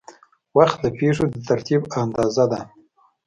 وخت د پېښو د ترتیب اندازه ده.